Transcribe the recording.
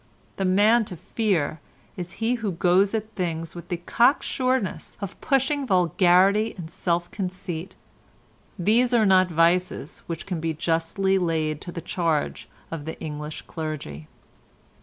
The man to fear is he who goes at things with the cocksureness of pushing vulgarity and self conceit. These are not vices which can be justly laid to the charge of the English clergy.